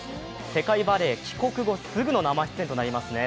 世界バレー帰国後すぐの生出演となりますね。